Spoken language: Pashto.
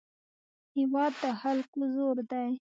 هېواد د خلکو زور دی.